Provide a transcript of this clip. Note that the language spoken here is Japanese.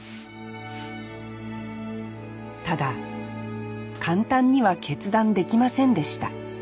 ただ簡単には決断できませんでした